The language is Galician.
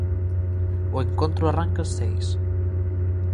O encontro aranca ás seis.